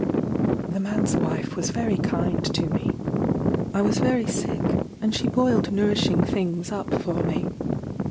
The man's wife was very kind to me. I was very sick, and she boiled nourishing things up for me.